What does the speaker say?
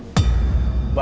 bakal lebih berat